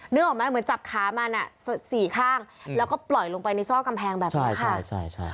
นึกออกไหมเหมือนจับขามันสี่ข้างแล้วก็ปล่อยลงไปในซอกกำแพงแบบนี้ค่ะ